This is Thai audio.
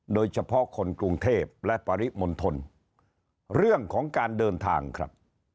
โดยเฉพาะคนกรุงเทพและปริมณฑลเรื่องของการเดินทางครับ